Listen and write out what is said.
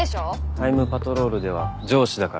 タイムパトロールでは上司だから。